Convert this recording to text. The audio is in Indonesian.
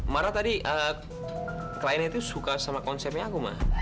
marah tadi kliennya itu suka sama konsepnya aku ma